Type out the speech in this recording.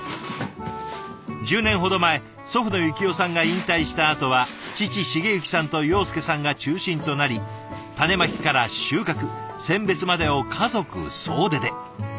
１０年ほど前祖父の幸夫さんが引退したあとは父成幸さんと庸介さんが中心となり種まきから収穫選別までを家族総出で。